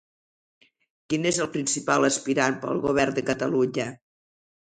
Quin és el principal aspirant per al govern de Catalunya?